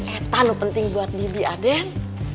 eta lu penting buat bibi aden